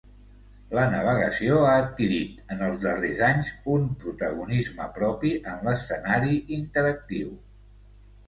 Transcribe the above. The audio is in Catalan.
La navegació ha adquirit en els darrers anys un protagonisme propi en l’escenari interactiu.